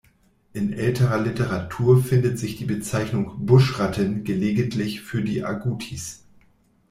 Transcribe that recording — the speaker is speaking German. In älterer Literatur findet sich die Bezeichnung "Buschratten" gelegentlich für die Agutis.